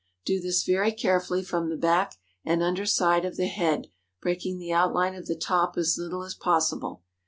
Do this very carefully from the back and under side of the head, breaking the outline of the top as little as possible.